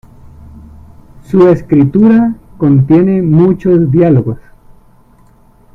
Su escritura contiene muchos diálogos.